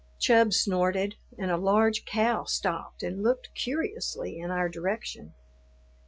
Chub snorted, and a large cow stopped and looked curiously in our direction.